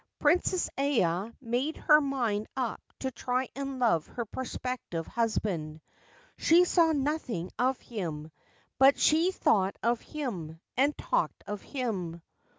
Princess Aya made her mind up to try and love her prospective husband. She saw nothing of him ; but she thought of him, and talked of him.